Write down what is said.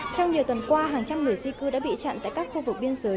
trong nhiều tuần qua hàng trăm người di cư đã bị chặn tại các khu vực biên giới